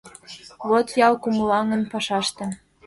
Вот ял, кумылаҥын пашаште